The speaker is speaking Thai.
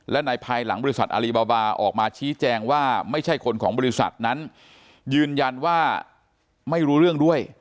และในภายหลังบริษัทอลีบาบาออกมาชี้แจงว่าไม่ใช่คนของบริษัทนั้นยืนยันว่าไม่รู้เรื่องด้วย